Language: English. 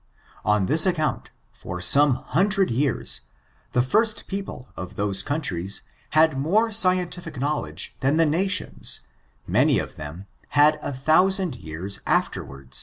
On this account, for some hundred years, the first people of those countries had more scientific knowledge than the nations, many of them, had a thousand years afterward.